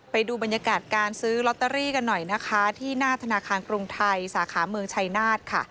ไปดูบรรยากาศการซื้อลอตเตอรี่กันหน่อยนะคะที่หน้าธนาคารกรุงไทยสาขาเมืองชัยนาธค่ะ